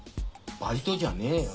バイトじゃねえよ